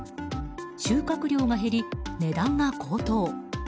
収穫量が減り、値段が高騰。